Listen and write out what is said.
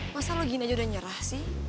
masa lo gini aja udah nyerah sih